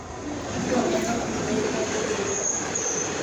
Ko'ẽrõ guive ikatujeýtama.